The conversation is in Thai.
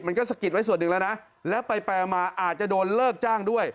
สะกิดไว้ส่วนหนึ่งแล้วนะแล้วไปมาอาจจะโดนเลิกจ้างด้วย